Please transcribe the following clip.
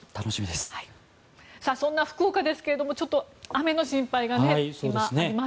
そんな福岡ですがちょっと雨の心配があります。